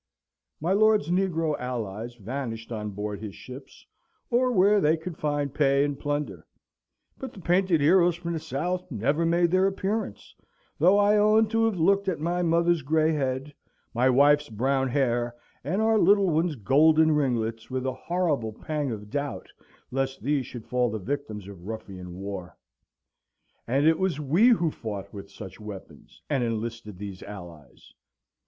My lord's negro allies vanished on board his ships, or where they could find pay and plunder; but the painted heroes from the South never made their appearance, though I own to have looked at my mother's grey head, my wife's brown hair, and our little one's golden ringlets, with a horrible pang of doubt lest these should fall the victims of ruffian war. And it was we who fought with such weapons, and enlisted these allies!